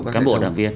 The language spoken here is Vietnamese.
cán bộ đảng viên